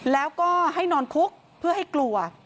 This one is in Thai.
แล้วก็ให้นอนคุกเพื่อให้กลัว